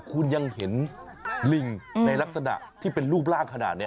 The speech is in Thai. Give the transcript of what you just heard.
คุณยังเห็นลิงในลักษณะที่เป็นรูปร่างขนาดนี้